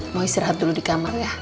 mau istirahat dulu di kamar ya